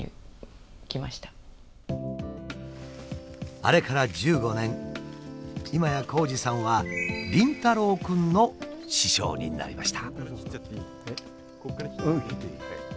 あれから１５年今や紘二さんは凛太郎くんの師匠になりました。